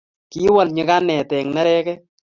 kiwol nyikanet eng nerekek